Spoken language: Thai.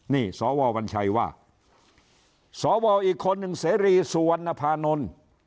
นี่สววัญชัยว่าสวอีกคนหนึ่งเสรีสุวรรณภานนท์